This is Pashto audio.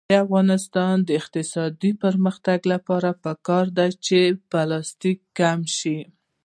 د افغانستان د اقتصادي پرمختګ لپاره پکار ده چې پلاستیک کم شي.